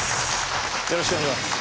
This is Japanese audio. よろしくお願いします。